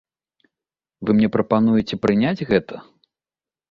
Вы мне прапануеце прыняць гэта?